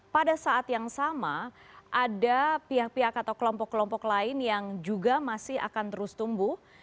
pada saat yang sama ada pihak pihak atau kelompok kelompok lain yang juga masih akan terus tumbuh